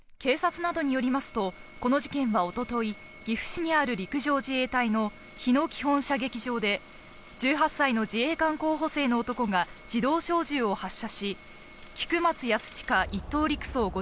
警察などによりますと、この事件はおととい、岐阜市にある陸上自衛隊の日野基本射撃場で１８歳の自衛官候補生の男が自動小銃を発射し、菊松安